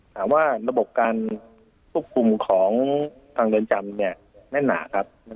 ถามว่าระบบการควบคุมของทางเดินจำแน่นหนา